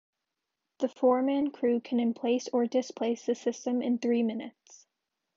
The four-man crew can emplace or displace the system in three minutes.